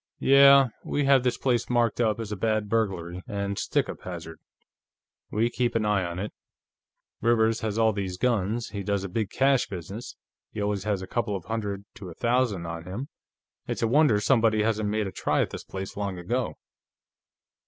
"Yeah. We have this place marked up as a bad burglary and stick up hazard; we keep an eye on it. Rivers has all these guns, he does a big cash business, he always has a couple of hundred to a thousand on him it's a wonder somebody hasn't made a try at this place long ago....